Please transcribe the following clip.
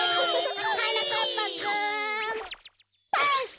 はなかっぱくんパス！